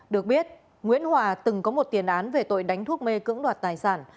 được biết nguyễn hòa từng có một tiền án về tội đánh thuốc mê cưỡng đoạt tài sản